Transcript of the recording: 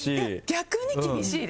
逆に厳しいです。